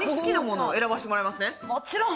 もちろん。